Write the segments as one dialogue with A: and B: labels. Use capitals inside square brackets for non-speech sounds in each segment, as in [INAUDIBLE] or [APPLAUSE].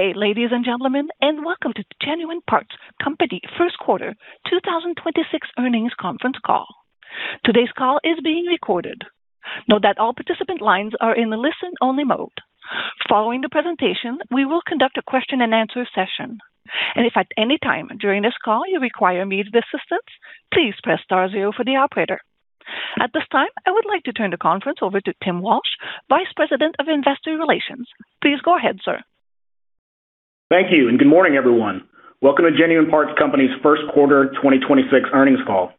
A: Good day, ladies and gentlemen, and welcome to the Genuine Parts Company First Quarter 2026 Earnings Conference Call. Today's call is being recorded. Note that all participant lines are in listen-only mode. Following the presentation, we will conduct a question-and-answer session, and if at any time during this call you require immediate assistance, please press star zero for the operator. At this time, I would like to turn the conference over to Tim Walsh, Vice President of Investor Relations. Please go ahead, sir.
B: Thank you, and good morning, everyone. Welcome to Genuine Parts Company's first quarter 2026 earnings call.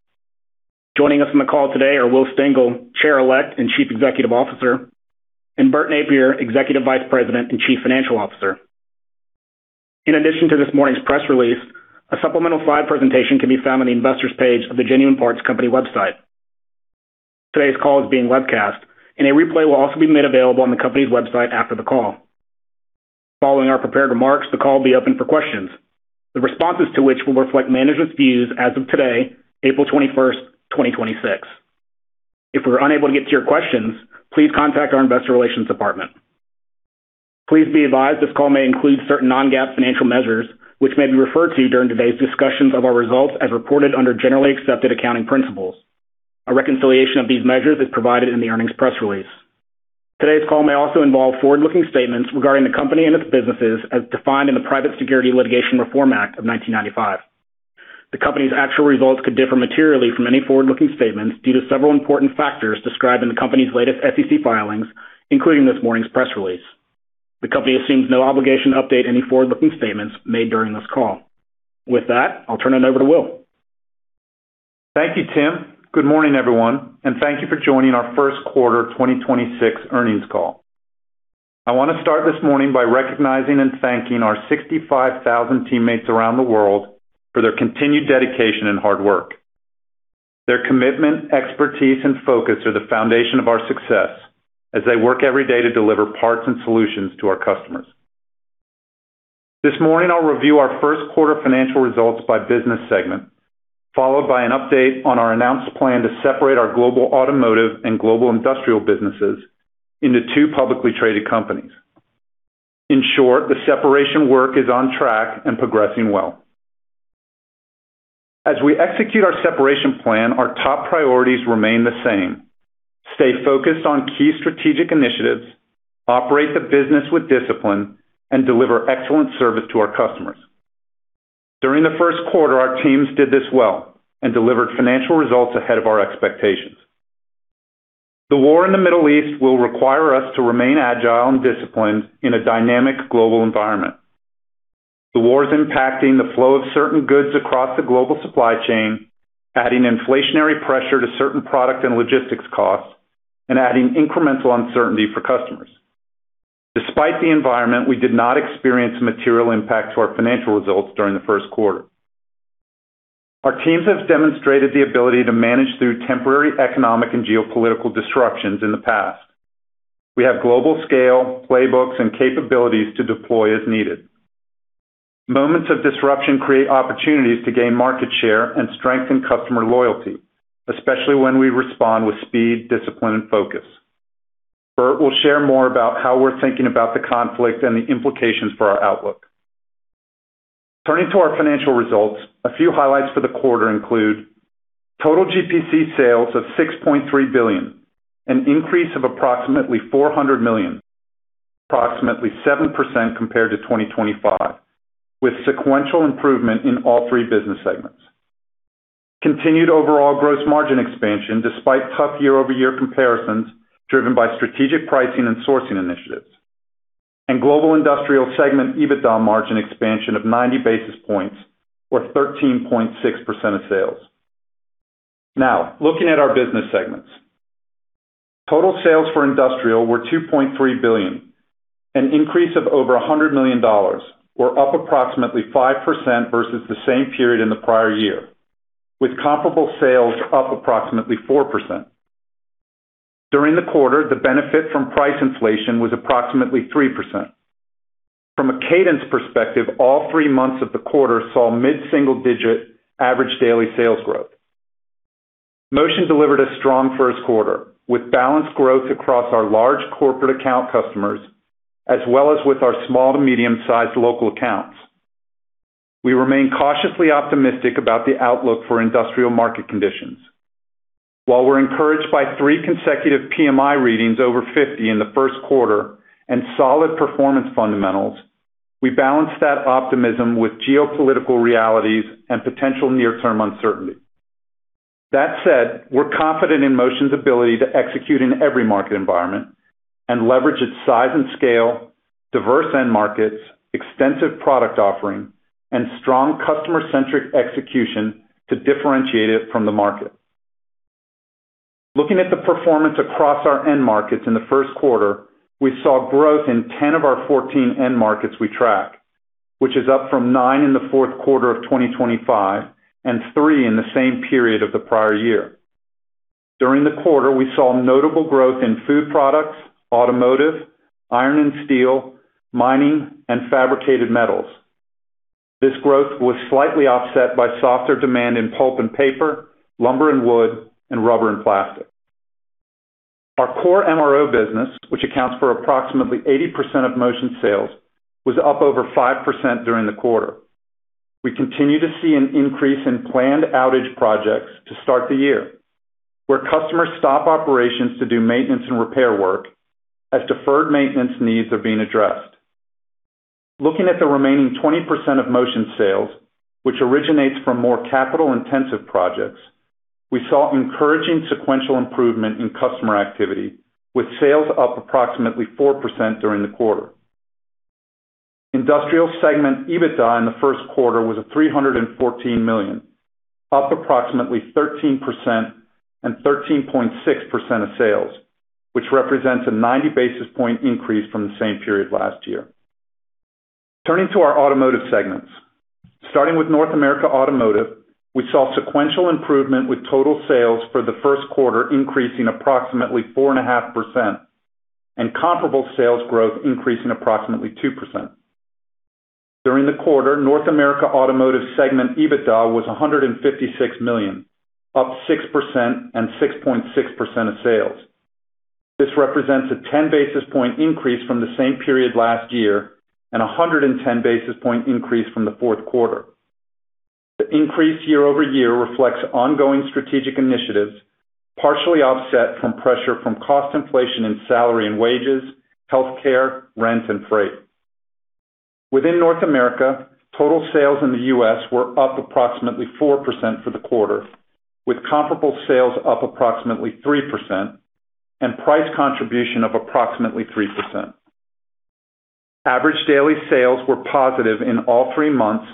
B: Joining us on the call today are Will Stengel, Chair-Elect and Chief Executive Officer, and Bert Nappier, Executive Vice President and Chief Financial Officer. In addition to this morning's press release, a supplemental slide presentation can be found on the investors page of the Genuine Parts Company website. Today's call is being webcast, and a replay will also be made available on the company's website after the call. Following our prepared remarks, the call will be open for questions, the responses to which will reflect management's views as of today, April 21st, 2026. If we're unable to get to your questions, please contact our investor relations department. Please be advised this call may include certain non-GAAP financial measures, which may be referred to during today's discussions of our results as reported under generally accepted accounting principles. A reconciliation of these measures is provided in the earnings press release. Today's call may also involve forward-looking statements regarding the company and its businesses as defined in the Private Securities Litigation Reform Act of 1995. The company's actual results could differ materially from any forward-looking statements due to several important factors described in the company's latest SEC filings, including this morning's press release. The company assumes no obligation to update any forward-looking statements made during this call. With that, I'll turn it over to Will.
C: Thank you, Tim. Good morning, everyone, and thank you for joining our first quarter 2026 earnings call. I want to start this morning by recognizing and thanking our 65,000 teammates around the world for their continued dedication and hard work. Their commitment, expertise, and focus are the foundation of our success as they work every day to deliver parts and solutions to our customers. This morning, I'll review our first quarter financial results by business segment, followed by an update on our announced plan to separate our Global Automotive and Global Industrial businesses into two publicly traded companies. In short, the separation work is on track and progressing well. As we execute our separation plan, our top priorities remain the same: stay focused on key strategic initiatives, operate the business with discipline, and deliver excellent service to our customers. During the first quarter, our teams did this well and delivered financial results ahead of our expectations. The war in the Middle East will require us to remain agile and disciplined in a dynamic global environment. The war is impacting the flow of certain goods across the global supply chain, adding inflationary pressure to certain product and logistics costs, and adding incremental uncertainty for customers. Despite the environment, we did not experience material impact to our financial results during the first quarter. Our teams have demonstrated the ability to manage through temporary economic and geopolitical disruptions in the past. We have global scale, playbooks, and capabilities to deploy as needed. Moments of disruption create opportunities to gain market share and strengthen customer loyalty, especially when we respond with speed, discipline, and focus. Bert will share more about how we're thinking about the conflict and the implications for our outlook. Turning to our financial results, a few highlights for the quarter include total GPC sales of $6.3 billion, an increase of approximately $400 million, approximately 7% compared to 2025, with sequential improvement in all three business segments. Continued overall gross margin expansion despite tough year-over-year comparisons driven by strategic pricing and sourcing initiatives. Global Industrial segment EBITDA margin expansion of 90 basis points or 13.6% of sales. Now, looking at our business segments. Total sales for Industrial were $2.3 billion, an increase of over $100 million, or up approximately 5% versus the same period in the prior year, with comparable sales up approximately 4%. During the quarter, the benefit from price inflation was approximately 3%. From a cadence perspective, all three months of the quarter saw mid-single digit average daily sales growth. Motion delivered a strong first quarter, with balanced growth across our large corporate account customers, as well as with our small to medium-sized local accounts. We remain cautiously optimistic about the outlook for industrial market conditions. While we're encouraged by three consecutive PMI readings over 50 in the first quarter and solid performance fundamentals, we balance that optimism with geopolitical realities and potential near-term uncertainty. That said, we're confident in Motion's ability to execute in every market environment and leverage its size and scale, diverse end markets, extensive product offering, and strong customer-centric execution to differentiate it from the market. Looking at the performance across our end markets in the first quarter, we saw growth in 10 of our 14 end markets we track, which is up from nine in the fourth quarter of 2025 and three in the same period of the prior year. During the quarter, we saw notable growth in food products, automotive, iron and steel, mining, and fabricated metals. This growth was slightly offset by softer demand in pulp and paper, lumber and wood, and rubber and plastic. Our core MRO business, which accounts for approximately 80% of Motion sales, was up over 5% during the quarter. We continue to see an increase in planned outage projects to start the year, where customers stop operations to do maintenance and repair work as deferred maintenance needs are being addressed. Looking at the remaining 20% of Motion sales, which originates from more capital-intensive projects, we saw encouraging sequential improvement in customer activity, with sales up approximately 4% during the quarter. Industrial segment EBITDA in the first quarter was at $314 million, up approximately 13% and 13.6% of sales, which represents a 90 basis point increase from the same period last year. Turning to our automotive segments. Starting with North America Automotive, we saw sequential improvement with total sales for the first quarter increasing approximately 4.5%, and comparable sales growth increasing approximately 2%. During the quarter, North America Automotive segment EBITDA was $156 million, up 6% and 6.6% of sales. This represents a 10 basis point increase from the same period last year and 110 basis point increase from the fourth quarter. The increase year-over-year reflects ongoing strategic initiatives, partially offset by pressure from cost inflation in salary and wages, healthcare, rent, and freight. Within North America, total sales in the U.S. were up approximately 4% for the quarter, with comparable sales up approximately 3% and price contribution of approximately 3%. Average daily sales were positive in all three months,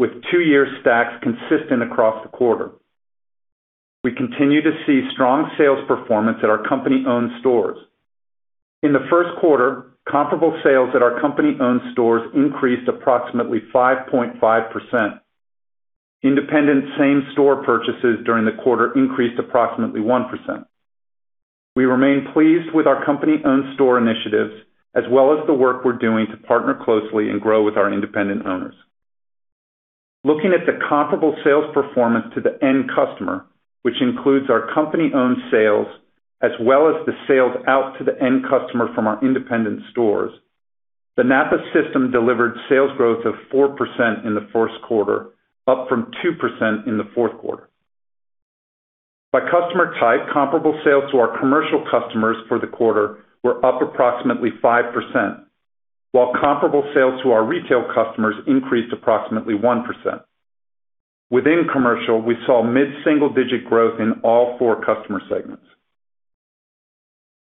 C: with two-year stacks consistent across the quarter. We continue to see strong sales performance at our company-owned stores. In the first quarter, comparable sales at our company-owned stores increased approximately 5.5%. Independent same-store purchases during the quarter increased approximately 1%. We remain pleased with our company-owned store initiatives, as well as the work we're doing to partner closely and grow with our independent owners. Looking at the comparable sales performance to the end customer, which includes our company-owned sales as well as the sales out to the end customer from our independent stores, the NAPA system delivered sales growth of 4% in the first quarter, up from 2% in the fourth quarter. By customer type, comparable sales to our commercial customers for the quarter were up approximately 5%, while comparable sales to our retail customers increased approximately 1%. Within commercial, we saw mid-single-digit growth in all four customer segments.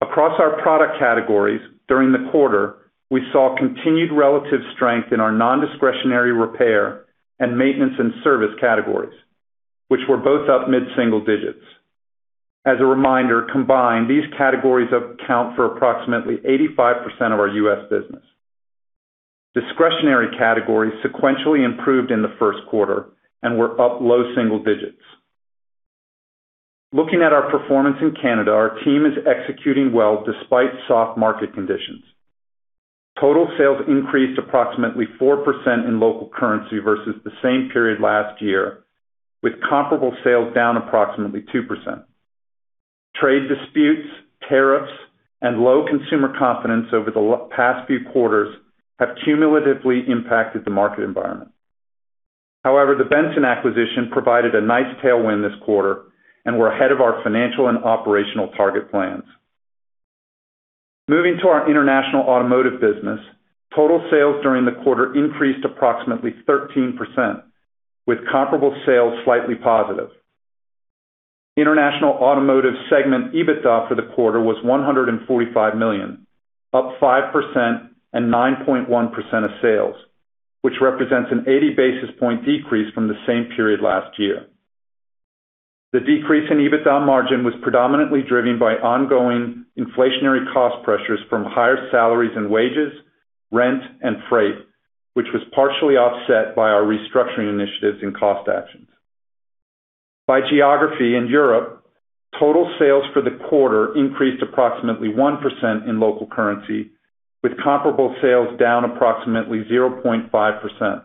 C: Across our product categories during the quarter, we saw continued relative strength in our non-discretionary repair and maintenance and service categories, which were both up mid-single digits. As a reminder, combined, these categories account for approximately 85% of our U.S. business. Discretionary categories sequentially improved in the first quarter and were up low single digits. Looking at our performance in Canada, our team is executing well despite soft market conditions. Total sales increased approximately 4% in local currency versus the same period last year, with comparable sales down approximately 2%. Trade disputes, tariffs, and low consumer confidence over the past few quarters have cumulatively impacted the market environment. However, the Benson acquisition provided a nice tailwind this quarter, and we're ahead of our financial and operational target plans. Moving to our international automotive business, total sales during the quarter increased approximately 13%, with comparable sales slightly positive. International Automotive segment EBITDA for the quarter was $145 million, up 5% and 9.1% of sales, which represents an 80 basis points decrease from the same period last year. The decrease in EBITDA margin was predominantly driven by ongoing inflationary cost pressures from higher salaries and wages, rent, and freight, which was partially offset by our restructuring initiatives and cost actions. By geography in Europe, total sales for the quarter increased approximately 1% in local currency, with comparable sales down approximately 0.5%.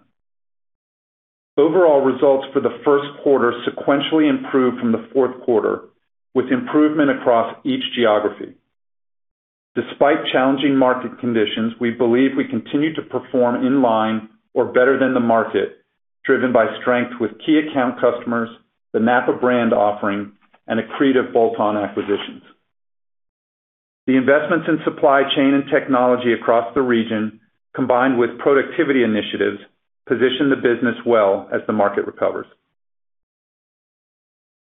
C: Overall results for the first quarter sequentially improved from the fourth quarter, with improvement across each geography. Despite challenging market conditions, we believe we continue to perform in line or better than the market, driven by strength with key account customers, the NAPA brand offering, and accretive bolt-on acquisitions. The investments in supply chain and technology across the region, combined with productivity initiatives, position the business well as the market recovers.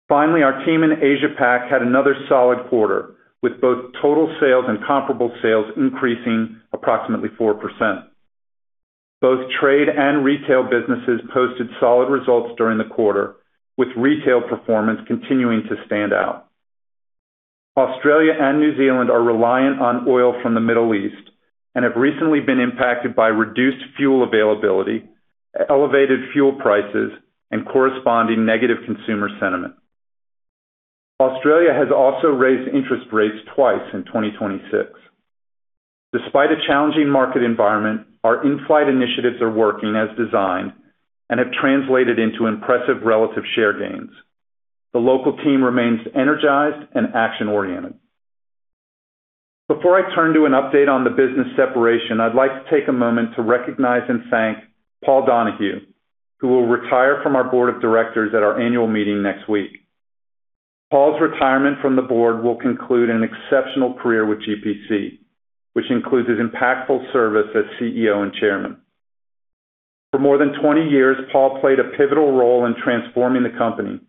C: Finally, our team in Asia-Pac had another solid quarter, with both total sales and comparable sales increasing approximately 4%. Both trade and retail businesses posted solid results during the quarter, with retail performance continuing to stand out. Australia and New Zealand are reliant on oil from the Middle East and have recently been impacted by reduced fuel availability, elevated fuel prices, and corresponding negative consumer sentiment. Australia has also raised interest rates twice in 2026. Despite a challenging market environment, our in-flight initiatives are working as designed and have translated into impressive relative share gains. The local team remains energized and action-oriented. Before I turn to an update on the business separation, I'd like to take a moment to recognize and thank Paul Donahue, who will retire from our Board of Directors at our annual meeting next week. Paul's retirement from the board will conclude an exceptional career with GPC, which includes his impactful service as CEO and Chairman. For more than 20 years, Paul played a pivotal role in transforming the company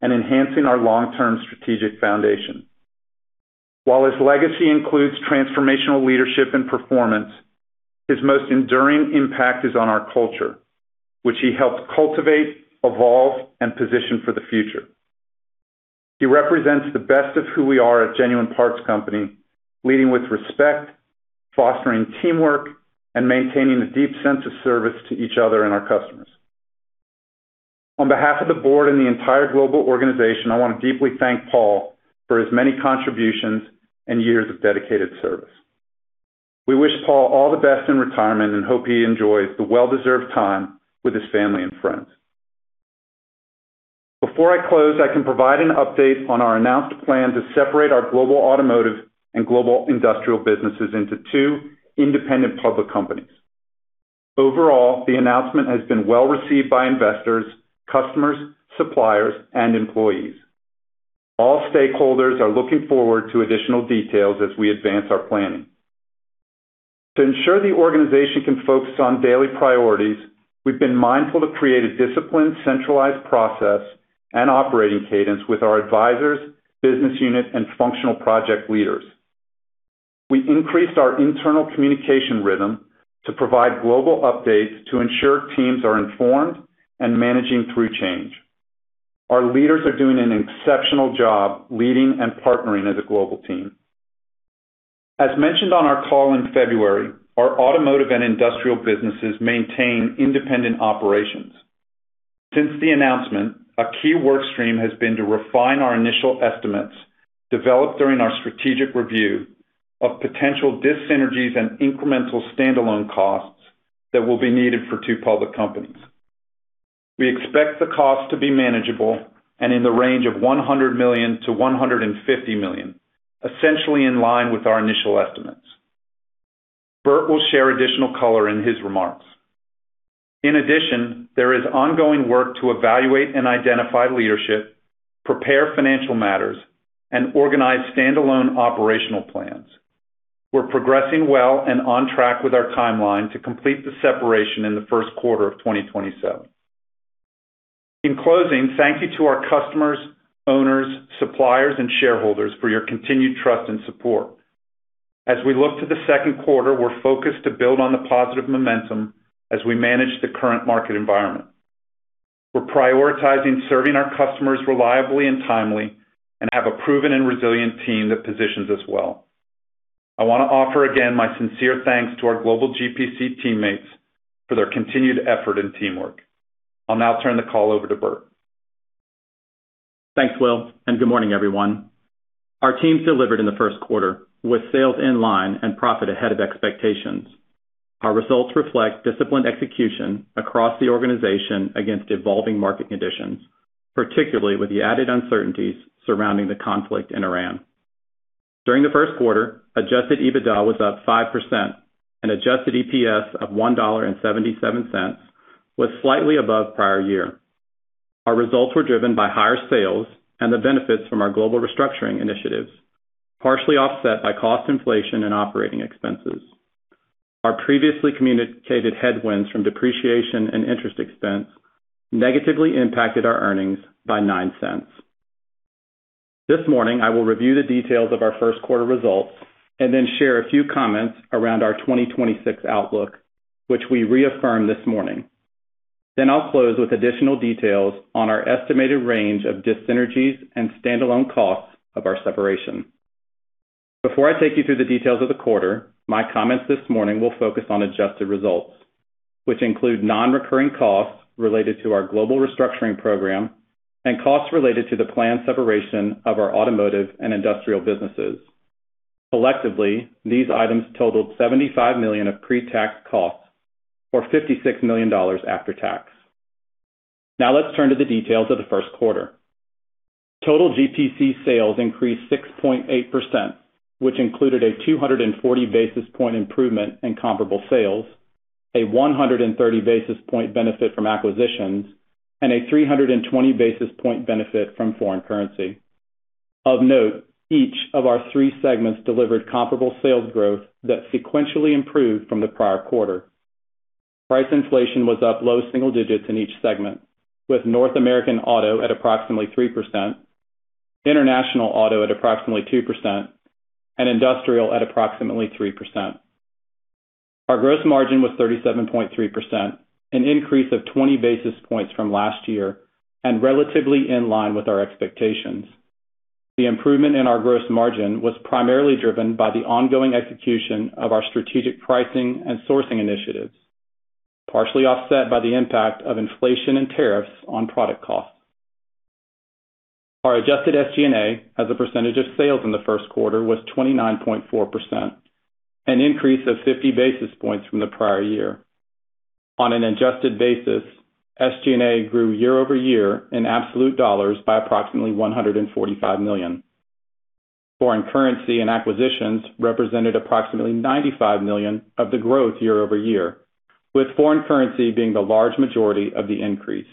C: and enhancing our long-term strategic foundation. While his legacy includes transformational leadership and performance, his most enduring impact is on our culture, which he helped cultivate, evolve, and position for the future. He represents the best of who we are at Genuine Parts Company, leading with respect, fostering teamwork, and maintaining a deep sense of service to each other and our customers. On behalf of the board and the entire global organization, I want to deeply thank Paul for his many contributions and years of dedicated service. We wish Paul all the best in retirement and hope he enjoys the well-deserved time with his family and friends. Before I close, I can provide an update on our announced plan to separate our Global Automotive and Global Industrial businesses into two independent public companies. Overall, the announcement has been well-received by investors, customers, suppliers, and employees. All stakeholders are looking forward to additional details as we advance our planning. To ensure the organization can focus on daily priorities, we've been mindful to create a disciplined, centralized process and operating cadence with our advisors, business unit, and functional project leaders. We increased our internal communication rhythm to provide global updates to ensure teams are informed and managing through change. Our leaders are doing an exceptional job leading and partnering as a global team. As mentioned on our call in February, our automotive and industrial businesses maintain independent operations. Since the announcement, a key work stream has been to refine our initial estimates developed during our strategic review of potential dis-synergies and incremental standalone costs that will be needed for two public companies. We expect the cost to be manageable and in the range of $100 million-$150 million, essentially in line with our initial estimates. Bert will share additional color in his remarks. In addition, there is ongoing work to evaluate and identify leadership, prepare financial matters, and organize standalone operational plans. We're progressing well and on track with our timeline to complete the separation in the first quarter of 2027. In closing, thank you to our customers, owners, suppliers, and shareholders for your continued trust and support. As we look to the second quarter, we're focused to build on the positive momentum as we manage the current market environment. We're prioritizing serving our customers reliably and timely and have a proven and resilient team that positions us well. I want to offer again my sincere thanks to our global GPC teammates for their continued effort and teamwork. I'll now turn the call over to Bert.
D: Thanks, Will, and good morning, everyone. Our team delivered in the first quarter with sales in line and profit ahead of expectations. Our results reflect disciplined execution across the organization against evolving market conditions, particularly with the added uncertainties surrounding the conflict in Iran. During the first quarter, adjusted EBITDA was up 5% and adjusted EPS of $1.77 was slightly above prior year. Our results were driven by higher sales and the benefits from our global restructuring initiatives, partially offset by cost inflation and operating expenses. Our previously communicated headwinds from depreciation and interest expense negatively impacted our earnings by $0.09. This morning, I will review the details of our first quarter results and then share a few comments around our 2026 outlook, which we reaffirm this morning. Then I'll close with additional details on our estimated range of dis-synergies and standalone costs of our separation. Before I take you through the details of the quarter, my comments this morning will focus on adjusted results, which include non-recurring costs related to our global restructuring program and costs related to the planned separation of our automotive and industrial businesses. Collectively, these items totaled $75 million of pre-tax costs, or $56 million after tax. Now let's turn to the details of the first quarter. Total GPC sales increased 6.8%, which included a 240 basis point improvement in comparable sales, a 130 basis point benefit from acquisitions, and a 320 basis point benefit from foreign currency. Of note, each of our three segments delivered comparable sales growth that sequentially improved from the prior quarter. Price inflation was up low single digits in each segment, with North American auto at approximately 3%, international auto at approximately 2%, and industrial at approximately 3%. Our gross margin was 37.3%, an increase of 20 basis points from last year and relatively in line with our expectations. The improvement in our gross margin was primarily driven by the ongoing execution of our strategic pricing and sourcing initiatives, partially offset by the impact of inflation and tariffs on product costs. Our adjusted SG&A as a percentage of sales in the first quarter was 29.4%, an increase of 50 basis points from the prior year. On an adjusted basis, SG&A grew year over year in absolute dollars by approximately $145 million. Foreign currency and acquisitions represented approximately $95 million of the growth year over year, with foreign currency being the large majority of the increase.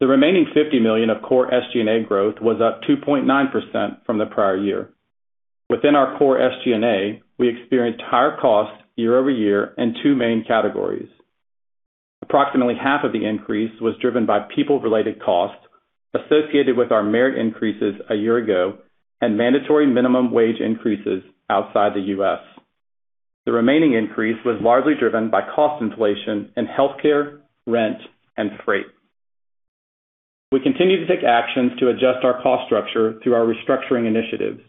D: The remaining $50 million of core SG&A growth was up 2.9% from the prior year. Within our core SG&A, we experienced higher costs year over year in two main categories. Approximately half of the increase was driven by people-related costs associated with our merit increases a year ago and mandatory minimum wage increases outside the U.S. The remaining increase was largely driven by cost inflation in healthcare, rent, and freight. We continue to take actions to adjust our cost structure through our restructuring initiatives.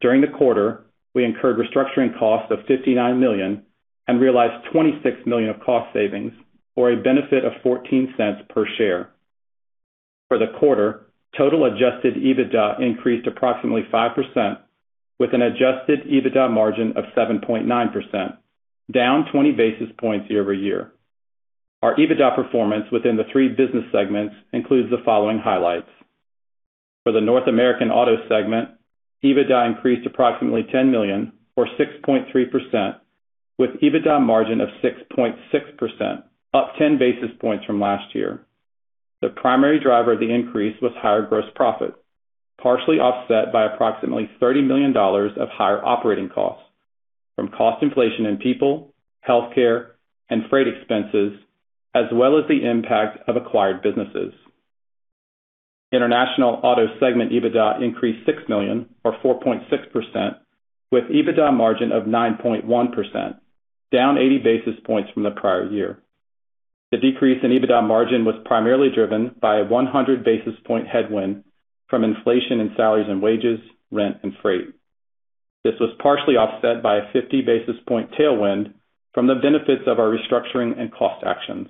D: During the quarter, we incurred restructuring costs of $59 million and realized $26 million of cost savings, or a benefit of $0.14 per share. For the quarter, total adjusted EBITDA increased approximately 5% with an adjusted EBITDA margin of 7.9%, down 20 basis points year-over-year. Our EBITDA performance within the three business segments includes the following highlights. For the North American auto segment, EBITDA increased approximately $10 million, or 6.3%, with EBITDA margin of 6.6%, up 10 basis points from last year. The primary driver of the increase was higher gross profit, partially offset by approximately $30 million of higher operating costs from cost inflation in people, healthcare, and freight expenses, as well as the impact of acquired businesses. International Auto segment EBITDA increased $6 million or 4.6%, with EBITDA margin of 9.1%, down 80 basis points from the prior year. The decrease in EBITDA margin was primarily driven by a 100 basis point headwind from inflation in salaries and wages, rent, and freight. This was partially offset by a 50 basis point tailwind from the benefits of our restructuring and cost actions.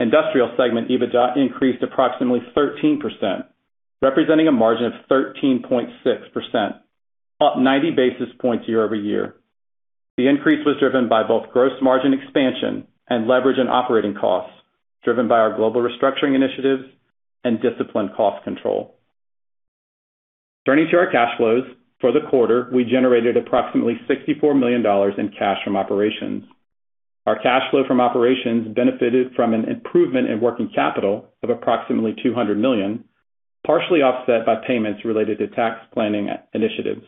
D: Industrial segment EBITDA increased approximately 13%, representing a margin of 13.6%, up 90 basis points year-over-year. The increase was driven by both gross margin expansion and leverage in operating costs, driven by our global restructuring initiatives and disciplined cost control. Turning to our cash flows. For the quarter, we generated approximately $64 million in cash from operations. Our cash flow from operations benefited from an improvement in working capital of approximately $200 million, partially offset by payments related to tax planning initiatives.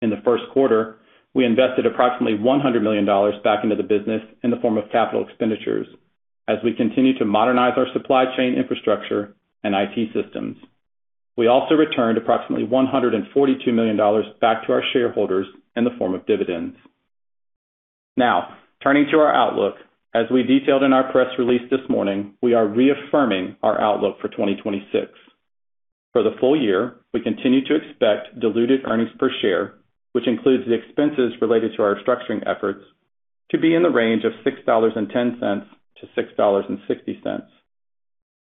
D: In the first quarter, we invested approximately $100 million back into the business in the form of capital expenditures as we continue to modernize our supply chain infrastructure and IT systems. We also returned approximately $142 million back to our shareholders in the form of dividends. Now, turning to our outlook. As we detailed in our press release this morning, we are reaffirming our outlook for 2026. For the full year, we continue to expect diluted earnings per share, which includes the expenses related to our restructuring efforts, to be in the range of $6.10-$6.60,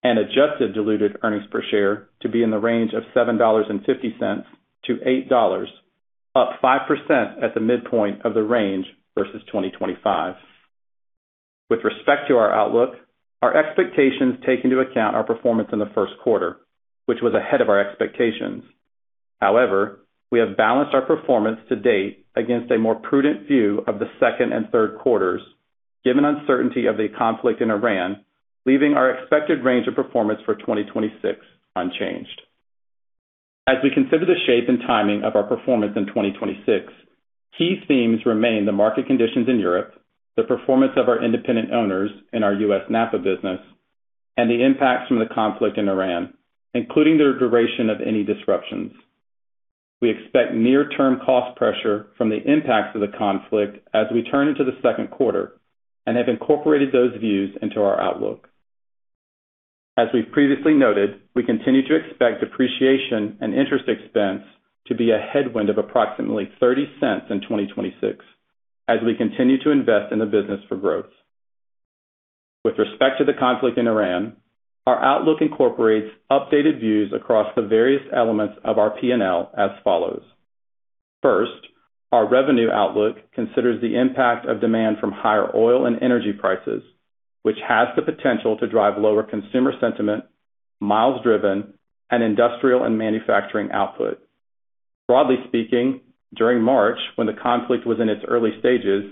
D: and adjusted diluted earnings per share to be in the range of $7.50-$8, up 5% at the midpoint of the range versus 2025. With respect to our outlook, our expectations take into account our performance in the first quarter, which was ahead of our expectations. However, we have balanced our performance to date against a more prudent view of the second and third quarters given uncertainty of the conflict in Iran, leaving our expected range of performance for 2026 unchanged. As we consider the shape and timing of our performance in 2026, key themes remain the market conditions in Europe, the performance of our independent owners in our U.S. NAPA business, and the impacts from the conflict in Iran, including the duration of any disruptions. We expect near-term cost pressure from the impacts of the conflict as we turn into the second quarter and have incorporated those views into our outlook. As we've previously noted, we continue to expect depreciation and interest expense to be a headwind of approximately $0.30 in 2026 as we continue to invest in the business for growth. With respect to the conflict in Iran, our outlook incorporates updated views across the various elements of our P&L as follows. First, our revenue outlook considers the impact of demand from higher oil and energy prices, which has the potential to drive lower consumer sentiment, miles driven, and industrial and manufacturing output. Broadly speaking, during March, when the conflict was in its early stages,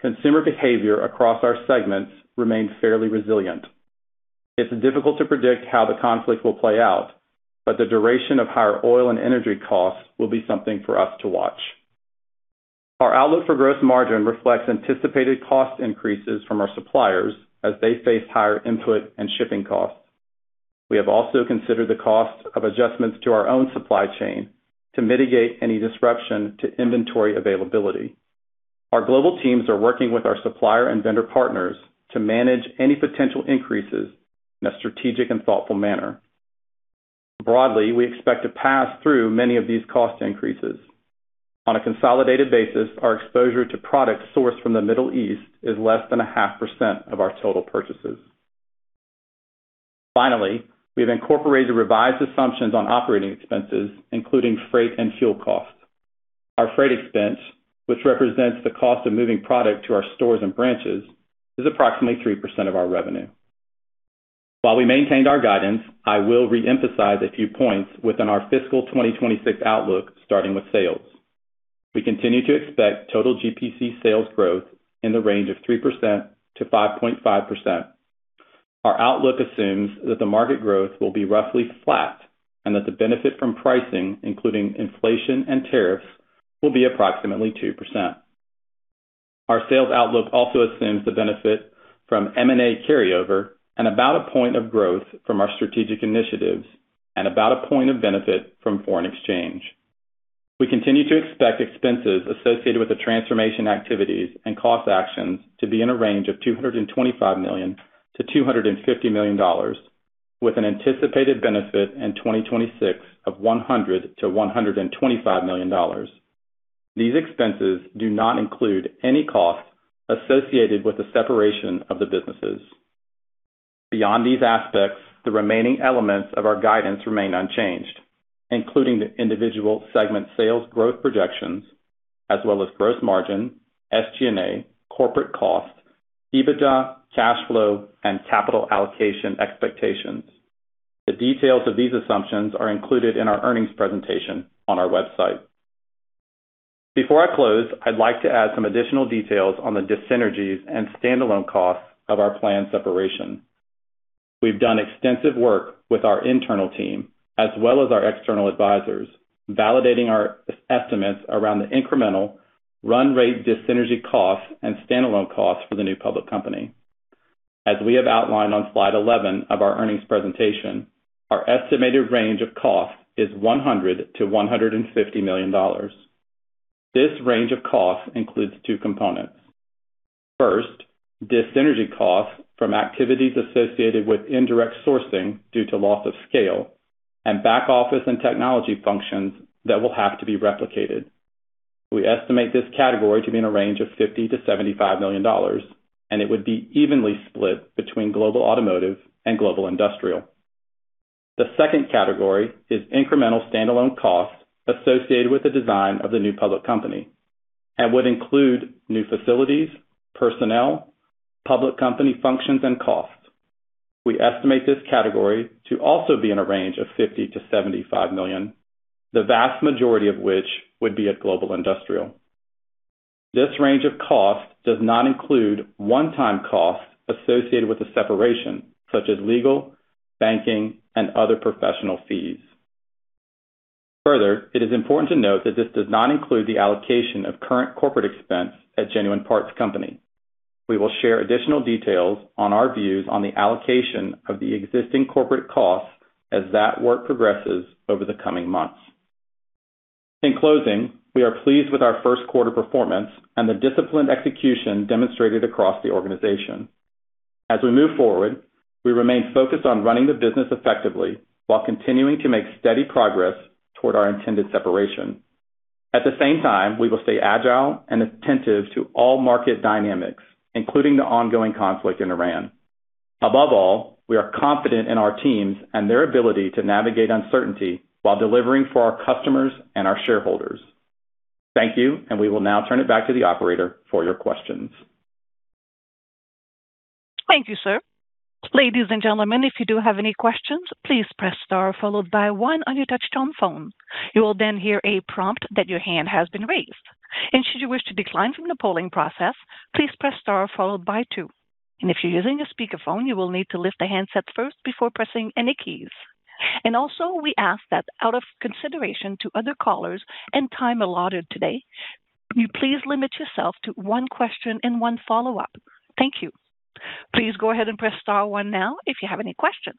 D: consumer behavior across our segments remained fairly resilient. It's difficult to predict how the conflict will play out, but the duration of higher oil and energy costs will be something for us to watch. Our outlook for gross margin reflects anticipated cost increases from our suppliers as they face higher input and shipping costs. We have also considered the cost of adjustments to our own supply chain to mitigate any disruption to inventory availability. Our global teams are working with our supplier and vendor partners to manage any potential increases in a strategic and thoughtful manner. Broadly, we expect to pass through many of these cost increases. On a consolidated basis, our exposure to products sourced from the Middle East is less than 0.5% of our total purchases. Finally, we have incorporated revised assumptions on operating expenses, including freight and fuel costs. Our freight expense, which represents the cost of moving product to our stores and branches, is approximately 3% of our revenue. While we maintained our guidance, I will re-emphasize a few points within our fiscal 2026 outlook, starting with sales. We continue to expect total GPC sales growth in the range of 3%-5.5%. Our outlook assumes that the market growth will be roughly flat and that the benefit from pricing, including inflation and tariffs, will be approximately 2%. Our sales outlook also assumes the benefit from M&A carryover and about a point of growth from our strategic initiatives and about a point of benefit from foreign exchange. We continue to expect expenses associated with the transformation activities and cost actions to be in a range of $225 million-$250 million, with an anticipated benefit in 2026 of $100 million-$125 million. These expenses do not include any costs associated with the separation of the businesses. Beyond these aspects, the remaining elements of our guidance remain unchanged, including the individual segment sales growth projections, as well as gross margin, SG&A, corporate costs, EBITDA, cash flow, and capital allocation expectations. The details of these assumptions are included in our earnings presentation on our website. Before I close, I'd like to add some additional details on the dissynergies and standalone costs of our planned separation. We've done extensive work with our internal team as well as our external advisors, validating our estimates around the incremental run rate dis-synergy costs and standalone costs for the new public company. As we have outlined on slide 11 of our earnings presentation, our estimated range of cost is $100 million-$150 million. This range of costs includes two components. First, dis-synergy costs from activities associated with indirect sourcing due to loss of scale and back-office and technology functions that will have to be replicated. We estimate this category to be in a range of $50 million-$75 million, and it would be evenly split between Global Automotive and Global Industrial. The second category is incremental standalone costs associated with the design of the new public company and would include new facilities, personnel, public company functions, and costs. We estimate this category to also be in a range of $50 million-$75 million, the vast majority of which would be at Global Industrial. This range of costs does not include one-time costs associated with the separation, such as legal, banking, and other professional fees. Further, it is important to note that this does not include the allocation of current corporate expense at Genuine Parts Company. We will share additional details on our views on the allocation of the existing corporate costs as that work progresses over the coming months. In closing, we are pleased with our first quarter performance and the disciplined execution demonstrated across the organization. As we move forward, we remain focused on running the business effectively while continuing to make steady progress toward our intended separation. At the same time, we will stay agile and attentive to all market dynamics, including the ongoing conflict in Iran. Above all, we are confident in our teams and their ability to navigate uncertainty while delivering for our customers and our shareholders. Thank you, and we will now turn it back to the operator for your questions.
A: Thank you, sir. Ladies and gentlemen, if you do have any questions, please press star followed by one on your touchtone phone. You will then hear a prompt that your hand has been raised. Should you wish to decline from the polling process, please press star followed by two. If you're using a speakerphone, you will need to lift the handset first before pressing any keys. Also, we ask that out of consideration to other callers and time allotted today, you please limit yourself to one question and one follow-up. Thank you. Please go ahead and press star one now if you have any questions.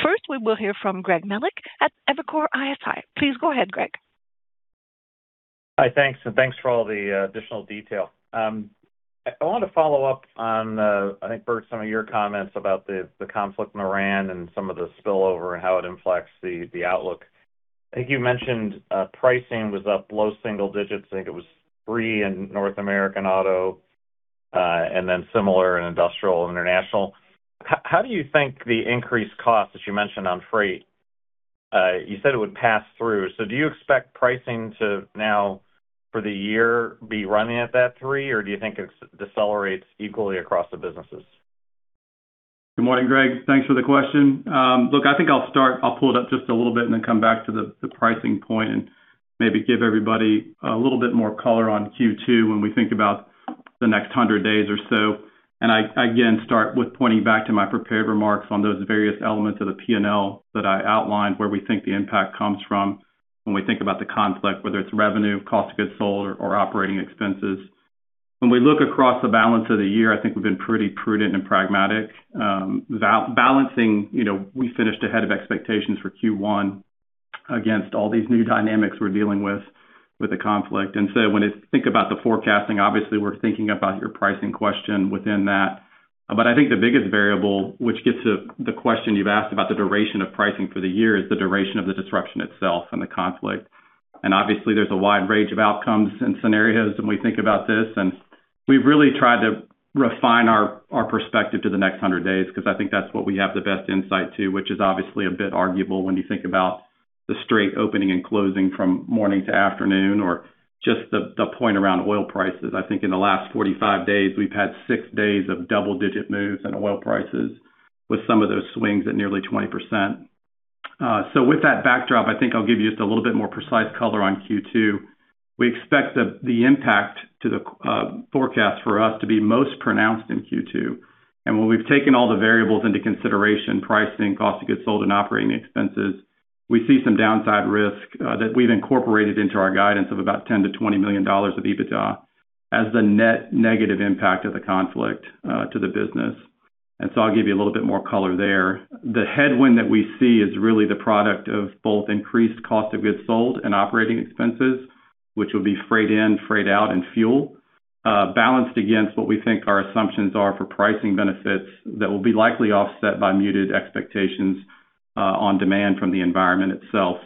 A: First, we will hear from Greg Melich at Evercore ISI. Please go ahead, Greg.
E: Hi, thanks. Thanks for all the additional detail. I want to follow up on, I think, Bert, some of your comments about the conflict in Iran and some of the spillover and how it inflects the outlook. I think you mentioned pricing was up low single digits. I think it was 3% in North American Auto, and then similar in Industrial International. How do you think the increased cost, as you mentioned on freight, you said it would pass through. Do you expect pricing to now for the year be running at that 3%? Or do you think it decelerates equally across the businesses?
D: Good morning, Greg. Thanks for the question. Look, I think I'll start. I'll pull it up just a little bit and then come back to the pricing point and maybe give everybody a little bit more color on Q2 when we think about the next 100 days or so. I, again, start with pointing back to my prepared remarks on those various elements of the P&L that I outlined where we think the impact comes from when we think about the conflict, whether it's revenue, cost of goods sold or operating expenses. When we look across the balance of the year, I think we've been pretty prudent and pragmatic. Balancing, we finished ahead of expectations for Q1 against all these new dynamics we're dealing with the conflict. When I think about the forecasting, obviously we're thinking about your pricing question within that. I think the biggest variable, which gets to the question you've asked about the duration of pricing for the year, is the duration of the disruption itself and the conflict. Obviously there's a wide range of outcomes and scenarios when we think about this, and we've really tried to refine our perspective to the next 100 days, because I think that's what we have the best insight to, which is obviously a bit arguable when you think about the strait opening and closing from morning to afternoon or just the point around oil prices. I think in the last 45 days, we've had six days of double-digit moves in oil prices, with some of those swings at nearly 20%. With that backdrop, I think I'll give you just a little bit more precise color on Q2. We expect the impact to the forecast for us to be most pronounced in Q2. When we've taken all the variables into consideration, pricing, cost of goods sold, and operating expenses, we see some downside risk that we've incorporated into our guidance of about $10 million-$20 million of EBITDA as the net negative impact of the conflict to the business. I'll give you a little bit more color there. The headwind that we see is really the product of both increased cost of goods sold and operating expenses, which will be freight in, freight out, and fuel, balanced against what we think our assumptions are for pricing benefits that will be likely offset by muted expectations on demand from the environment itself.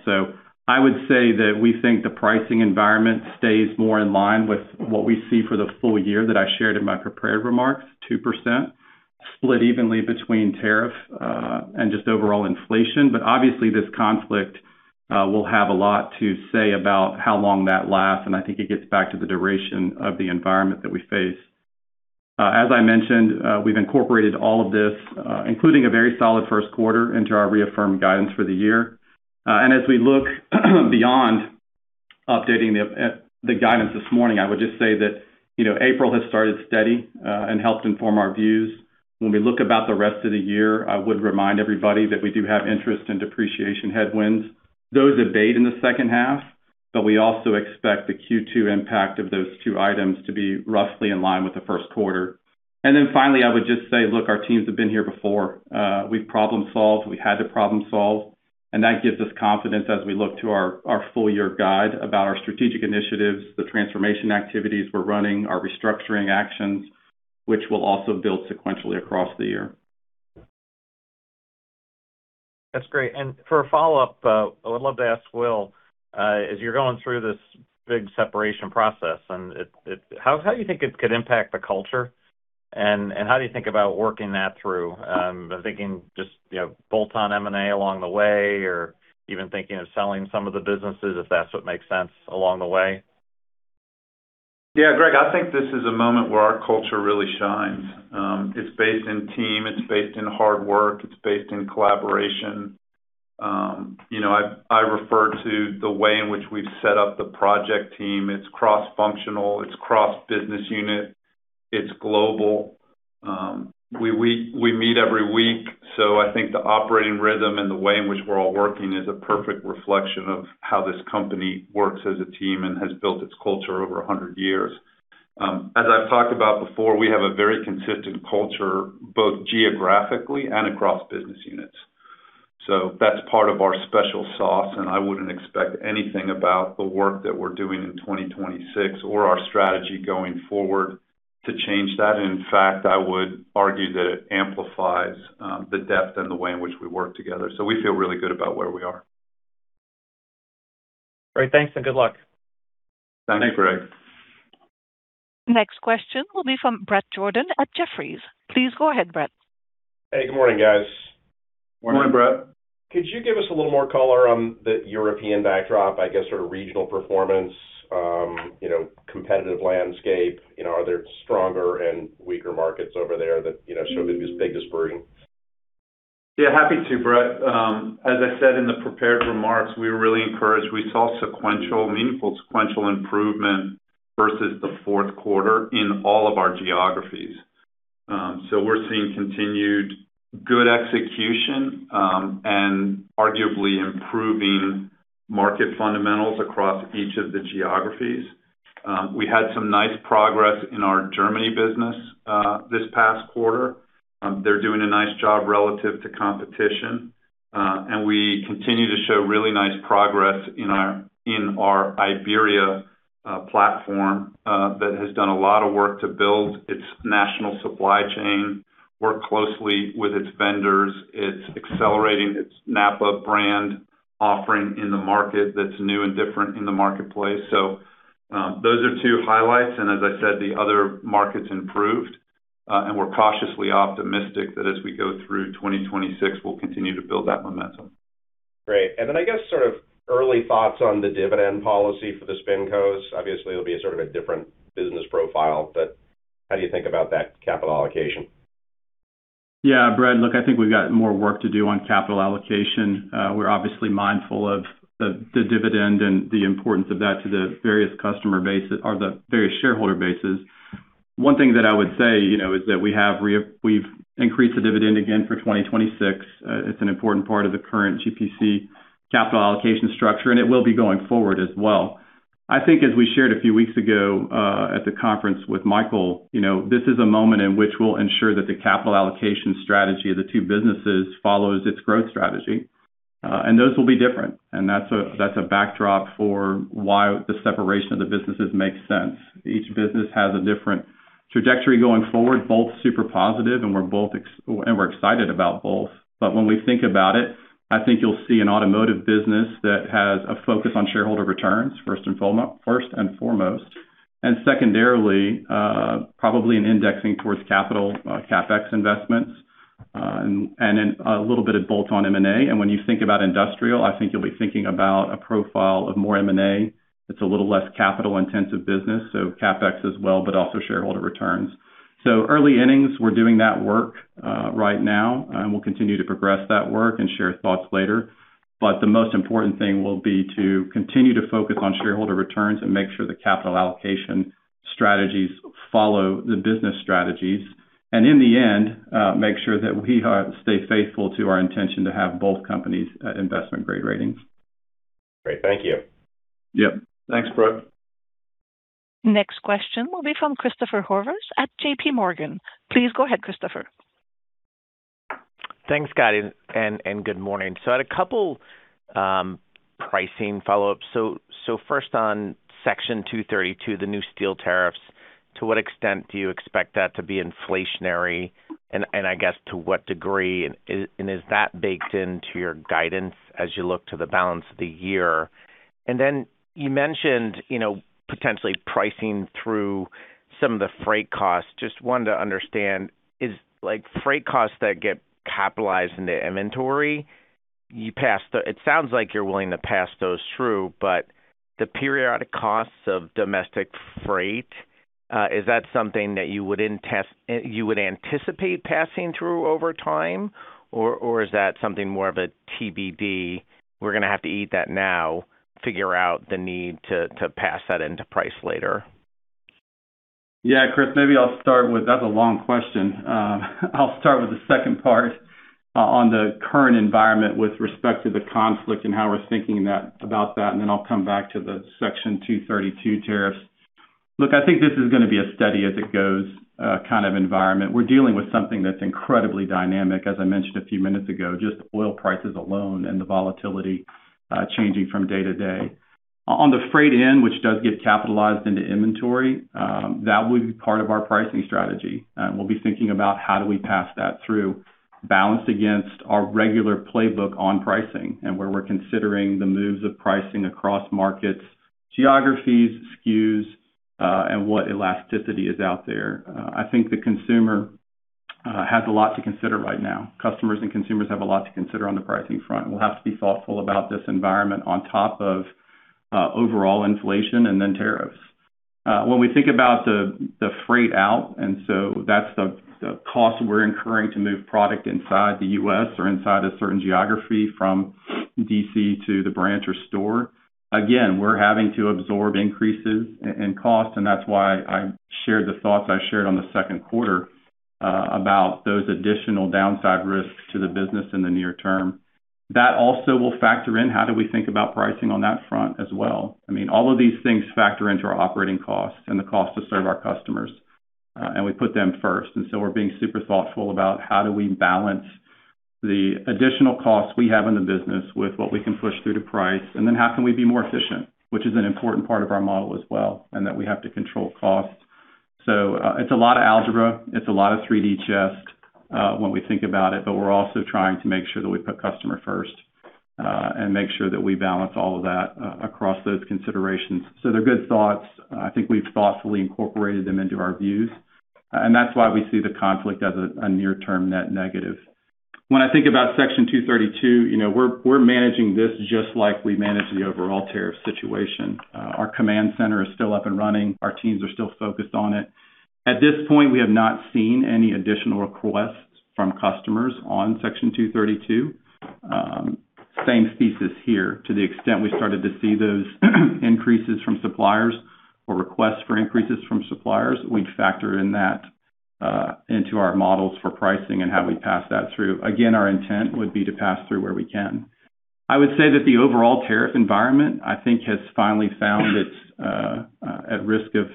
D: I would say that we think the pricing environment stays more in line with what we see for the full year that I shared in my prepared remarks, 2% split evenly between tariff, and just overall inflation. Obviously this conflict will have a lot to say about how long that lasts, and I think it gets back to the duration of the environment that we face. As I mentioned, we've incorporated all of this, including a very solid first quarter into our reaffirmed guidance for the year. As we look beyond updating the guidance this morning, I would just say that April has started steady, and helped inform our views. When we look at the rest of the year, I would remind everybody that we do have interest and depreciation headwinds, those abate in the second half, but we also expect the Q2 impact of those two items to be roughly in line with the first quarter. Finally, I would just say, look, our teams have been here before. We've problem solved. We had to problem solve. That gives us confidence as we look to our full year guide about our strategic initiatives, the transformation activities we're running, our restructuring actions, which will also build sequentially across the year.
E: That's great. For a follow-up, I would love to ask Will, as you're going through this big separation process, how do you think it could impact the culture? How do you think about working that through? I'm thinking just bolt on M&A along the way, or even thinking of selling some of the businesses if that's what makes sense along the way.
C: Yeah, Greg, I think this is a moment where our culture really shines. It's based in team, it's based in hard work, it's based in collaboration. I refer to the way in which we've set up the project team. It's cross-functional, it's cross-business unit, it's global. We meet every week. I think the operating rhythm and the way in which we're all working is a perfect reflection of how this company works as a team and has built its culture over 100 years. As I've talked about before, we have a very consistent culture, both geographically and across business units. That's part of our special sauce, and I wouldn't expect anything about the work that we're doing in 2026 or our strategy going forward to change that. In fact, I would argue that it amplifies the depth and the way in which we work together. We feel really good about where we are.
E: Great. Thanks, and good luck.
C: Thanks, Greg.
A: Next question will be from Bret Jordan at Jefferies. Please go ahead, Bret.
F: Hey, good morning, guys.
C: Good morning, Bret.
F: Could you give us a little more color on the European backdrop, I guess, sort of regional performance, competitive landscape? Are there stronger and weaker markets over there that show the biggest burden?
C: Yeah, happy to, Bret. As I said in the prepared remarks, we were really encouraged. We saw sequential, meaningful improvement versus the fourth quarter in all of our geographies. We're seeing continued good execution, and arguably improving market fundamentals across each of the geographies. We had some nice progress in our Germany business, this past quarter. They're doing a nice job relative to competition. We continue to show really nice progress in our Iberia platform that has done a lot of work to build its national supply chain, work closely with its vendors. It's accelerating its NAPA brand offering in the market that's new and different in the marketplace. Those are two highlights. As I said, the other markets improved. We're cautiously optimistic that as we go through 2026, we'll continue to build that momentum.
F: Great. I guess sort of early thoughts on the dividend policy for the SpinCo's. Obviously, it'll be a sort of a different business profile, but how do you think about that capital allocation?
C: Yeah, Bret, look, I think we've got more work to do on capital allocation. We're obviously mindful of the dividend and the importance of that to the various customer base or the various shareholder bases. One thing that I would say is that we've increased the dividend again for 2026. It's an important part of the current GPC capital allocation structure, and it will be going forward as well. I think as we shared a few weeks ago, at the conference with Michael, this is a moment in which we'll ensure that the capital allocation strategy of the two businesses follows its growth strategy. Those will be different, and that's a backdrop for why the separation of the businesses makes sense. Each business has a different trajectory going forward, both super positive and we're excited about both, but when we think about it, I think you'll see an automotive business that has a focus on shareholder returns first and foremost, and secondarily, probably an indexing towards capital, CapEx investments, and then a little bit of bolt-on M&A. When you think about industrial, I think you'll be thinking about a profile of more M&A that's a little less capital-intensive business, so CapEx as well, but also shareholder returns. Early innings, we're doing that work right now, and we'll continue to progress that work and share thoughts later. The most important thing will be to continue to focus on shareholder returns and make sure the capital allocation strategies follow the business strategies. In the end, make sure that we stay faithful to our intention to have both companies at investment-grade ratings.
F: Great. Thank you.
C: Yep. Thanks, Bret.
A: Next question will be from Christopher Horvers at J.P. Morgan. Please go ahead, Christopher.
G: Thanks, guys. Good morning. I had a couple pricing follow-ups. First on Section 232, the new steel tariffs, to what extent do you expect that to be inflationary, and I guess, to what degree, and is that baked into your guidance as you look to the balance of the year? You mentioned potentially pricing through some of the freight costs. Just wanted to understand, is like freight costs that get capitalized into inventory, it sounds like you're willing to pass those through, but the periodic costs of domestic freight, is that something that you would anticipate passing through over time? Or is that something more of a TBD, we're gonna have to eat that now, figure out the need to pass that into price later?
D: Yeah, Chris. That's a long question. I'll start with the second part on the current environment with respect to the conflict and how we're thinking about that, and then I'll come back to the Section 232 tariffs. Look, I think this is gonna be a steady as it goes kind of environment. We're dealing with something that's incredibly dynamic, as I mentioned a few minutes ago, just oil prices alone and the volatility changing from day to day. On the freight in, which does get capitalized into inventory, that would be part of our pricing strategy. We'll be thinking about how do we pass that through, balanced against our regular playbook on pricing and where we're considering the moves of pricing across markets, geographies, SKUs, and what elasticity is out there. I think the consumer has a lot to consider right now. Customers and consumers have a lot to consider on the pricing front, and we'll have to be thoughtful about this environment on top of overall inflation and then tariffs. When we think about the freight out, and so that's the cost we're incurring to move product inside the U.S. or inside a certain geography from D.C. to the branch or store. Again, we're having to absorb increases in cost, and that's why I shared the thoughts I shared on the second quarter about those additional downside risks to the business in the near term. That also will factor in how do we think about pricing on that front as well. All of these things factor into our operating costs and the cost to serve our customers. We put them first, and so we're being super thoughtful about how do we balance the additional costs we have in the business with what we can push through to price, and then how can we be more efficient, which is an important part of our model as well, and that we have to control costs. It's a lot of algebra, it's a lot of 3D chess when we think about it, but we're also trying to make sure that we put customer first, and make sure that we balance all of that across those considerations. They're good thoughts. I think we've thoughtfully incorporated them into our views, and that's why we see the conflict as a near-term net negative. When I think about Section 232, we're managing this just like we manage the overall tariff situation. Our command center is still up and running. Our teams are still focused on it. At this point, we have not seen any additional requests from customers on Section 232. Same thesis here. To the extent we started to see those increases from suppliers or requests for increases from suppliers, we'd factor in that into our models for pricing and how we pass that through. Again, our intent would be to pass through where we can. I would say that the overall tariff environment, I think, has finally found its at risk of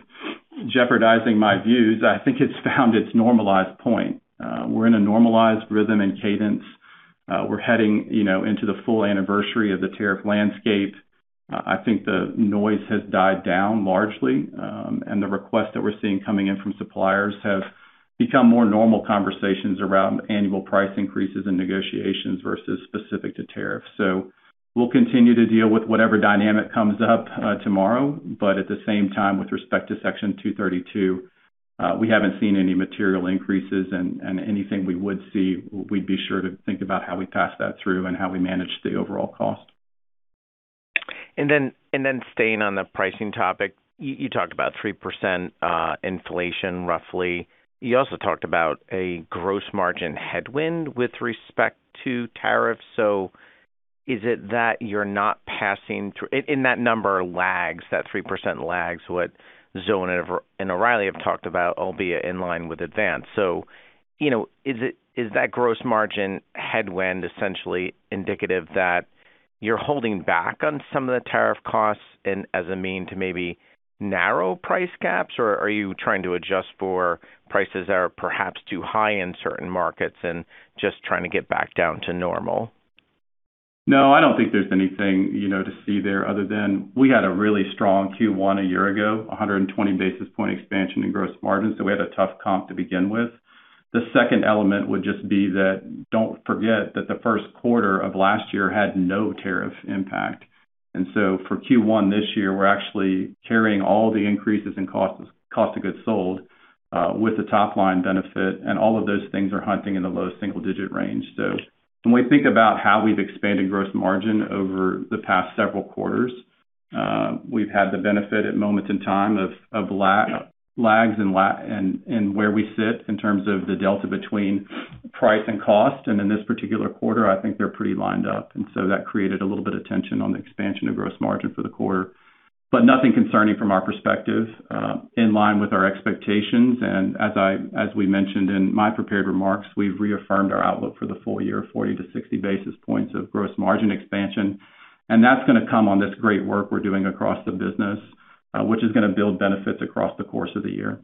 D: jeopardizing my views, I think it's found its normalized point. We're in a normalized rhythm and cadence. We're heading into the full anniversary of the tariff landscape. I think the noise has died down largely, and the requests that we're seeing coming in from suppliers have become more normal conversations around annual price increases and negotiations versus specific to tariffs. We'll continue to deal with whatever dynamic comes up tomorrow, but at the same time, with respect to Section 232, we haven't seen any material increases, and anything we would see, we'd be sure to think about how we pass that through and how we manage the overall cost.
G: Staying on the pricing topic, you talked about 3% inflation roughly. You also talked about a gross margin headwind with respect to tariffs. Is it that you're not passing through and that number lags, that 3% lags what Zone and O'Reilly have talked about, albeit in line with Advance. Is that gross margin headwind essentially indicative that You're holding back on some of the tariff costs and as a means to maybe narrow price gaps? Or are you trying to adjust for prices that are perhaps too high in certain markets and just trying to get back down to normal?
D: No, I don't think there's anything to see there other than we had a really strong Q1 a year ago, 120 basis points expansion in gross margin, so we had a tough comp to begin with. The second element would just be that don't forget that the first quarter of last year had no tariff impact. For Q1 this year, we're actually carrying all the increases in cost of goods sold, with a top-line benefit, and all of those things are hitting in the low single-digit range. When we think about how we've expanded gross margin over the past several quarters, we've had the benefit at moments in time of lags and where we sit in terms of the delta between price and cost. In this particular quarter, I think they're pretty lined up. That created a little bit of tension on the expansion of gross margin for the quarter. Nothing concerning from our perspective, in line with our expectations. As we mentioned in my prepared remarks, we've reaffirmed our outlook for the full year, 40 to 60 basis points of gross margin expansion. That's going to come on this great work we're doing across the business, which is going to build benefits across the course of the year.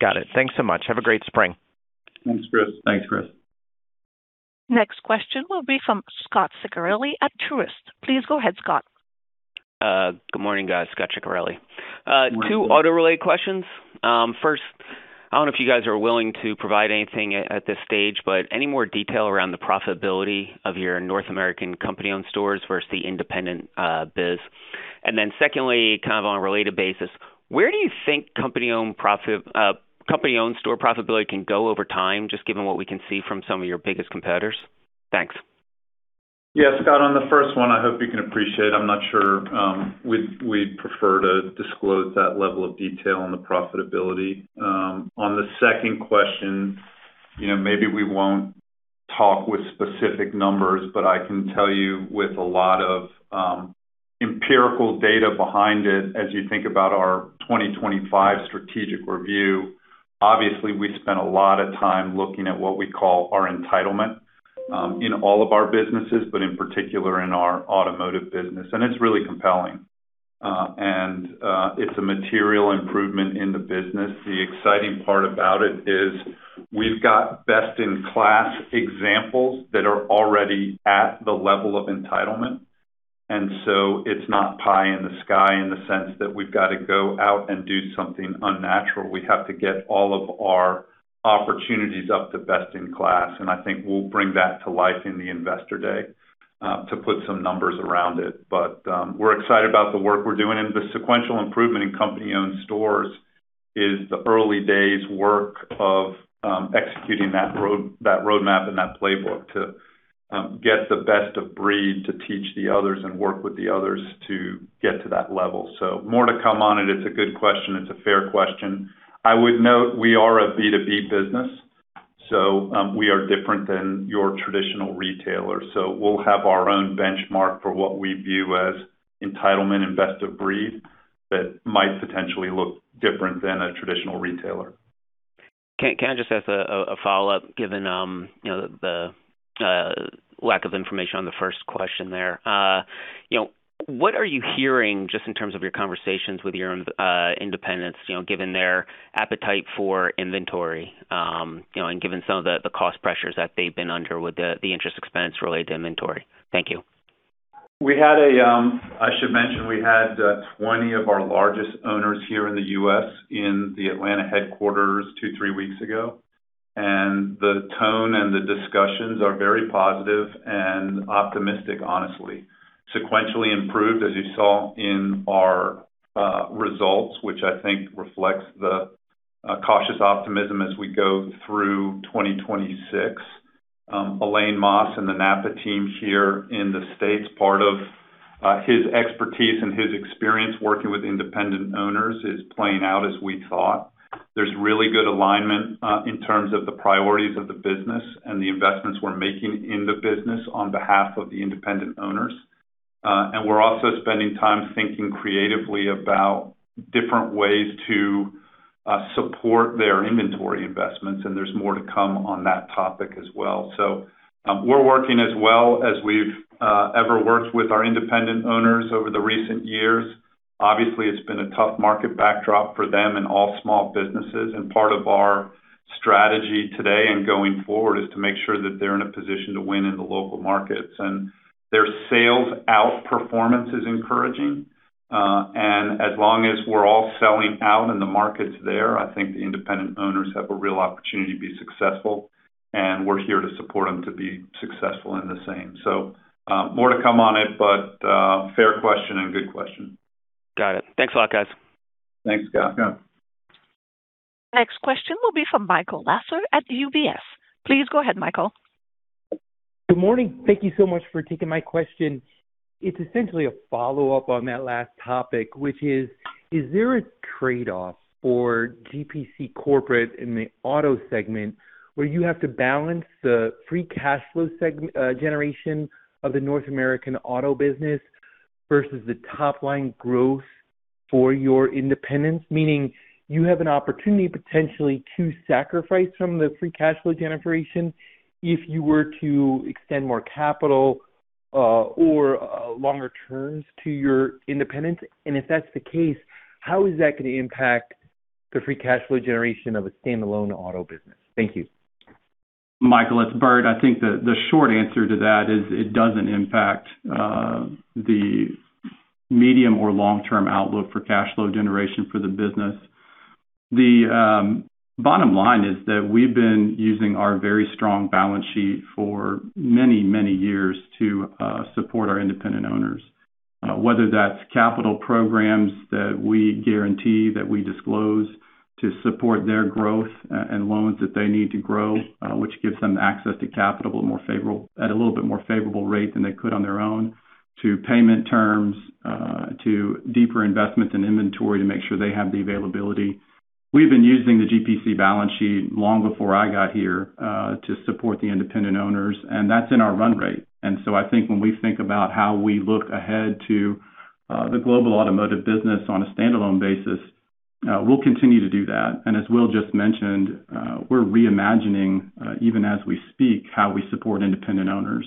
G: Got it. Thanks so much. Have a great spring.
C: Thanks, Chris.
D: Thanks, Chris.
A: Next question will be from Scot Ciccarelli at Truist. Please go ahead, Scot.
H: Good morning, guys. Scot Ciccarelli.
C: Good morning.
H: Two auto related questions. First, I don't know if you guys are willing to provide anything at this stage, but any more detail around the profitability of your North American company-owned stores versus the independent biz? Secondly, kind of on a related basis, where do you think company-owned store profitability can go over time, just given what we can see from some of your biggest competitors? Thanks.
C: Yeah, Scot, on the first one, I hope you can appreciate. I'm not sure. We'd prefer to disclose that level of detail on the profitability. On the second question, maybe we won't talk with specific numbers, but I can tell you with a lot of empirical data behind it, as you think about our 2025 strategic review, obviously, we spent a lot of time looking at what we call our entitlement, in all of our businesses, but in particular in our automotive business. It's really compelling. It's a material improvement in the business. The exciting part about it is we've got best-in-class examples that are already at the level of entitlement. It's not pie in the sky in the sense that we've got to go out and do something unnatural. We have to get all of our opportunities up to best in class, and I think we'll bring that to life in the Investor Day, to put some numbers around it. We're excited about the work we're doing, and the sequential improvement in company-owned stores is the early days work of executing that roadmap and that playbook to get the best of breed to teach the others and work with the others to get to that level. More to come on it. It's a good question. It's a fair question. I would note we are a B2B business, so we are different than your traditional retailer. We'll have our own benchmark for what we view as entitlement and best of breed that might potentially look different than a traditional retailer.
H: Can I just ask a follow-up, given the lack of information on the first question there? What are you hearing, just in terms of your conversations with your independents, given their appetite for inventory, and given some of the cost pressures that they've been under with the interest expense related to inventory? Thank you.
C: I should mention, we had 20 of our largest owners here in the U.S. in the Atlanta headquarters two-three weeks ago. The tone and the discussions are very positive and optimistic, honestly. Sequentially improved, as you saw in our results, which I think reflects the cautious optimism as we go through 2026. Alain Masse and the NAPA team here in the States, part of his expertise and his experience working with independent owners is playing out as we thought. There's really good alignment in terms of the priorities of the business and the investments we're making in the business on behalf of the independent owners. We're also spending time thinking creatively about different ways to support their inventory investments, and there's more to come on that topic as well. We're working as well as we've ever worked with our independent owners over the recent years. Obviously, it's been a tough market backdrop for them and all small businesses, and part of our strategy today and going forward is to make sure that they're in a position to win in the local markets. Their sales outperformance is encouraging. As long as we're all selling out and the market's there, I think the independent owners have a real opportunity to be successful, and we're here to support them to be successful in the same. More to come on it, but fair question and good question.
H: Got it. Thanks a lot, guys.
C: Thanks, Scot.
A: Next question will be from Michael Lasser at UBS. Please go ahead, Michael.
I: Good morning. Thank you so much for taking my question. It's essentially a follow-up on that last topic, which is: Is there a trade-off for GPC corporate in the auto segment where you have to balance the free cash flow generation of the North American auto business versus the top-line growth for your independents, meaning you have an opportunity potentially to sacrifice some of the free cash flow generation if you were to extend more capital or longer terms to your independents. If that's the case, how is that going to impact the free cash flow generation of a standalone auto business? Thank you.
D: Michael, it's Bert. I think the short answer to that is it doesn't impact the medium or long-term outlook for cash flow generation for the business. The bottom line is that we've been using our very strong balance sheet for many, many years to support our independent owners, whether that's capital programs that we guarantee that we disclose to support their growth and loans that they need to grow, which gives them access to capital at a little bit more favorable rate than they could on their own, to payment terms, to deeper investments in inventory to make sure they have the availability. We've been using the GPC balance sheet long before I got here to support the independent owners, and that's in our run rate. I think when we think about how we look ahead to the Global Automotive business on a standalone basis, we'll continue to do that. As Will just mentioned, we're reimagining even as we speak, how we support independent owners.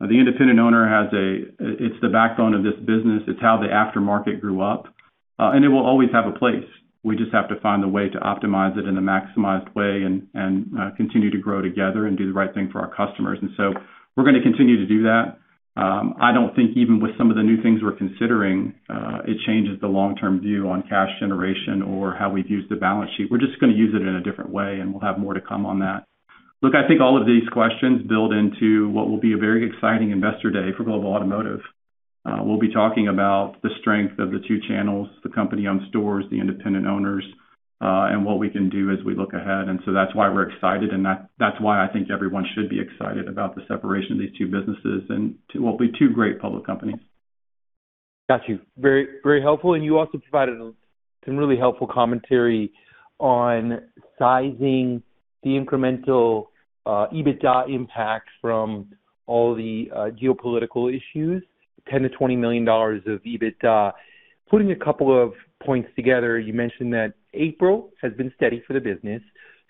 D: The independent owner, it's the backbone of this business. It's how the aftermarket grew up. It will always have a place. We just have to find a way to optimize it in a maximized way and continue to grow together and do the right thing for our customers. We're going to continue to do that. I don't think even with some of the new things we're considering it changes the long-term view on cash generation or how we've used the balance sheet. We're just going to use it in a different way, and we'll have more to come on that. Look, I think all of these questions build into what will be a very exciting Investor Day for Global Automotive. We'll be talking about the strength of the two channels, the company-owned stores, the independent owners, and what we can do as we look ahead. That's why we're excited, and that's why I think everyone should be excited about the separation of these two businesses and what will be two great public companies.
I: Got you. Very helpful. You also provided some really helpful commentary on sizing the incremental EBITDA impact from all the geopolitical issues, $10 million-$20 million of EBITDA. Putting a couple of points together, you mentioned that April has been steady for the business.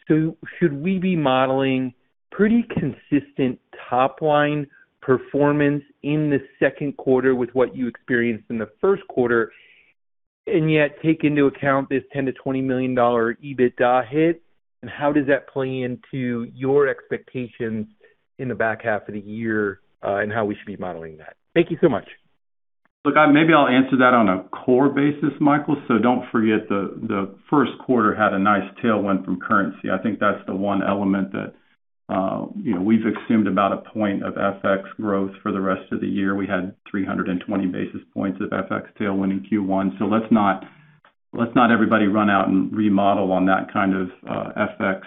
I: Should we be modeling pretty consistent top line performance in the second quarter with what you experienced in the first quarter and yet take into account this $10 million =-$20 million EBITDA hit? How does that play into your expectations in the back half of the year and how we should be modeling that? Thank you so much.
D: Look, maybe I'll answer that on a core basis, Michael. Don't forget the first quarter had a nice tailwind from currency. I think that's the one element that we've assumed about a point of FX growth for the rest of the year. We had 320 basis points of FX tailwind in Q1. Let's not everybody run out and remodel on that kind of FX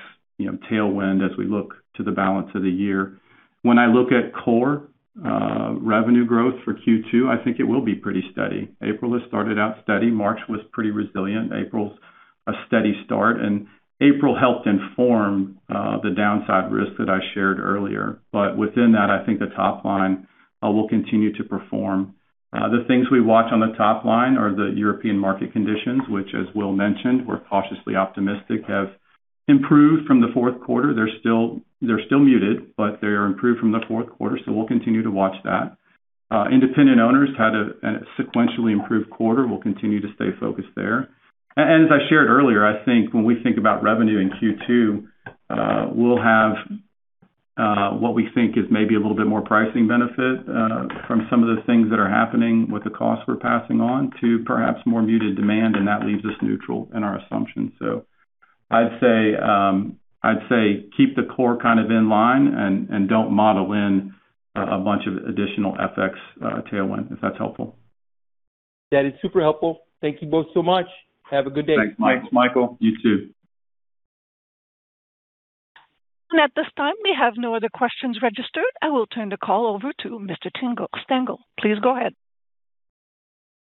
D: tailwind as we look to the balance of the year. When I look at core revenue growth for Q2, I think it will be pretty steady. April has started out steady. March was pretty resilient. April's a steady start, and April helped inform the downside risk that I shared earlier. Within that, I think the top line will continue to perform. The things we watch on the top line are the European market conditions, which, as Will mentioned, we're cautiously optimistic have improved from the fourth quarter. They're still muted, but they are improved from the fourth quarter, so we'll continue to watch that. Independent owners had a sequentially improved quarter. We'll continue to stay focused there. And as I shared earlier, I think when we think about revenue in Q2 we'll have what we think is maybe a little bit more pricing benefit from some of the things that are happening with the costs we're passing on to perhaps more muted demand, and that leaves us neutral in our assumptions. I'd say keep the core kind of in line and don't model in a bunch of additional FX tailwind, if that's helpful.
I: That is super helpful. Thank you both so much. Have a good day.
D: Thanks, Michael. You too.
A: At this time, we have no other questions registered. I will turn the call over to Mr. Tim Walsh. [AUDIO DISTORTION] Please go ahead.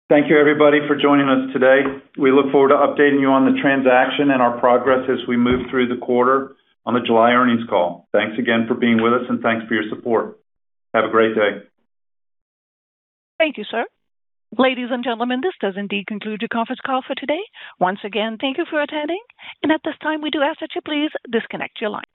B: Thank you everybody for joining us today. We look forward to updating you on the transaction and our progress as we move through the quarter on the July earnings call. Thanks again for being with us and thanks for your support. Have a great day.
A: Thank you, sir. Ladies and gentlemen, this does indeed conclude the conference call for today. Once again, thank you for attending. At this time, we do ask that you please disconnect your line.